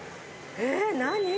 え何？